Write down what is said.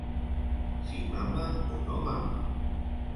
Si mama o no mama.